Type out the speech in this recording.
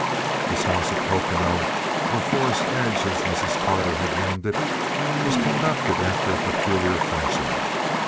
This house at Pocono, or Forest Edge, as Mrs. Carter had named it, was conducted after a peculiar fashion.